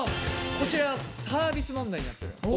こちらサービス問題になっております。